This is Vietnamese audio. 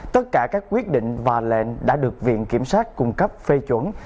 tất cả các quyết định và lệnh đã được viện kiểm sát cung cấp phê chuẩn